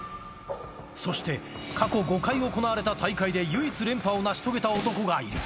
そして、過去５回行われた大会で唯一、連覇を成し遂げた男がいる。